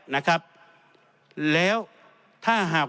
นะครับ